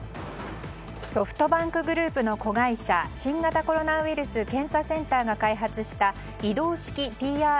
ソフトバンクグループの子会社新型コロナウイルス検査センターが開発した移動式